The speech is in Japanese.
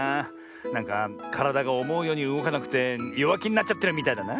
なんかからだがおもうようにうごかなくてよわきになっちゃってるみたいだな。